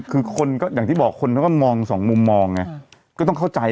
คือคนก็อย่างที่บอกคนเขาก็มองสองมุมมองไงก็ต้องเข้าใจ